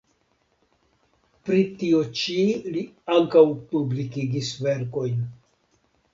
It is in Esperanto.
Pri tio ĉi li ankaŭ publikigis verkojn.